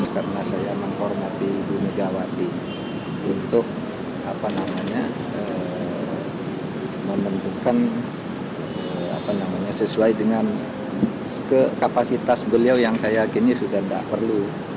karena saya menghormati bu megawati untuk menentukan sesuai dengan kapasitas beliau yang saya yakin sudah tidak perlu